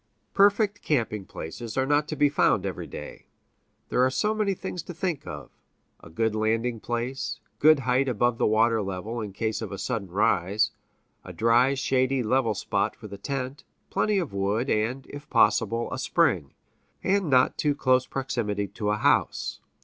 Perfect camping places are not to be found every day. There are so many things to think of a good landing place; good height above the water level, in case of a sudden rise; a dry, shady, level spot for the tent; plenty of wood, and, if possible, a spring; and not too close proximity to a house.